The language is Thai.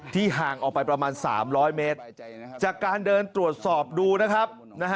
ห่างออกไปประมาณ๓๐๐เมตรจากการเดินตรวจสอบดูนะครับ